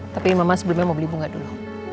tapi mama sebelumnya mau beli bunga dulu